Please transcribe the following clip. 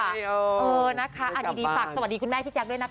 อันนี้ดีฝากสวัสดีคุณแม่พี่จังด้วยนะคะ